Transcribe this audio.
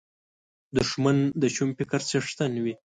دښمن د شوم فکر څښتن وي